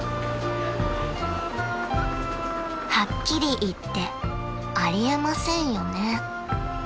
［はっきり言ってあり得ませんよね］